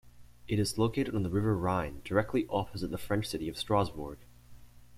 It is located on the river Rhine, directly opposite the French city of Strasbourg.